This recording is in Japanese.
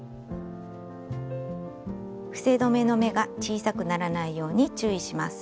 伏せ止めの目が小さくならないように注意します。